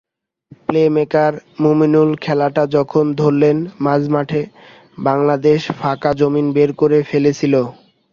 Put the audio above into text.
Playmaker Mamunul খেলাটা যখন ধরলেন মাঝমাঠে, বাংলাদেশ ফাঁকা জমিন বের করে ফেলছিল।